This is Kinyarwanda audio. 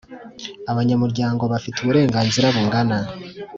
abanyamuryango bafite Uburenganzira bungana